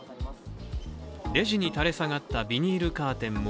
レジに垂れ下がったビニールカーテンも